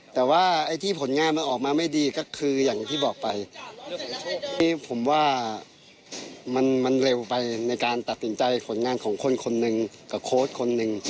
แต่ว่าไอ้ที่ผลงานมันออกมาไม่ดีก็คืออย่างที่บอกไปนี่ผมว่ามันเร็วไปในการตัดสินใจผลงานของคนคนหนึ่งกับโค้ดคนหนึ่ง